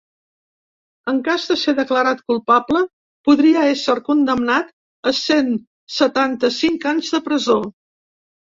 En cas de ser declarat culpable, podria ésser condemnat a cent setanta-cinc anys de presó.